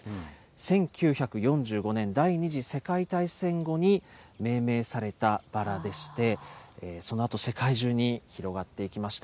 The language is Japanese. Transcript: １９４５年、第２次世界大戦後に命名されたバラでして、そのあと世界中に広がっていきました。